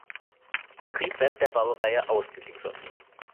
Triebwerk der Baureihe ausgeliefert.